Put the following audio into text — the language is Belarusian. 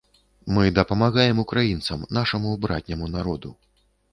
Мы дапамагаем украінцам, нашаму братняму народу.